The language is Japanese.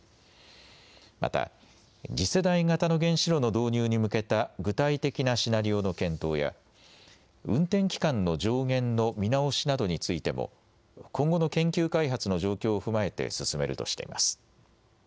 また、次世代型の原子炉の導入に向けた具体的なシナリオの検討や、運転期間の上限の見直しなどについても、今後の研究開発の状況を踏まえて進めるとしています。